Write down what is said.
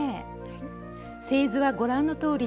製図はご覧のとおりです。